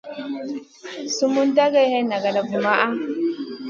Sumun dagey hay nagada vumaʼa.